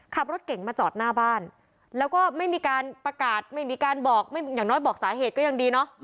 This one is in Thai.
ขับรถเก่งมาจอดหน้าบ้านแล้วก็ไม่มีการประกาศไม่มีการบอกไม่อย่างน้อยบอกสาเหตุก็ยังดีเนาะ